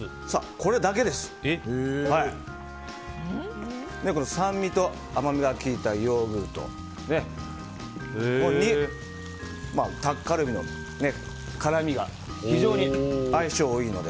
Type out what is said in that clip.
この酸味と甘みが効いたヨーグルトにタッカルビの辛みが非常に相性がいいので。